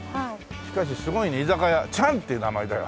しかしすごいね「居酒屋ちゃん」っていう名前だよ。